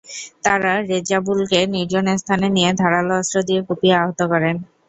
তাঁরা রেজাবুলকে নির্জন স্থানে নিয়ে ধারালো অস্ত্র দিয়ে কুপিয়ে আহত করেন।